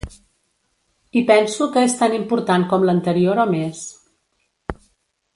I penso que és tan important com l’anterior o més.